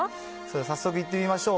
早速いってみましょう。